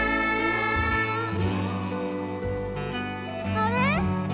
あれ？